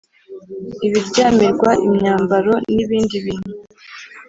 ibiryamirwa imyambaro n ibindi bintu